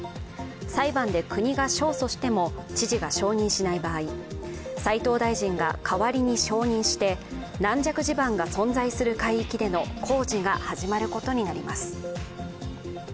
裁判で国が勝訴しても知事が承認しない場合斉藤大臣が代わりに承認して、軟弱地盤が存在する海域での工事が始まることになります。